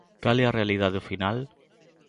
¿Cal é a realidade ao final?